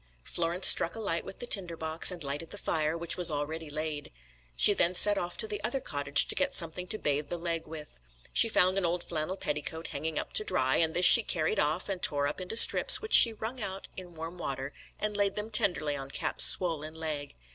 Florence struck a light with the tinder box, and lighted the fire, which was already laid. She then set off to the other cottage to get something to bathe the leg with. She found an old flannel petticoat hanging up to dry, and this she carried off, and tore up into strips, which she wrung out in warm water, and laid them tenderly on Cap's swollen leg.